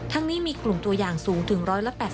นี้มีกลุ่มตัวอย่างสูงถึง๑๘๐